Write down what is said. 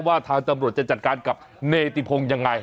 ว่าทางตำรวจจะจัดการกับเนติพงศ์ยังไง